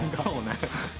そうね。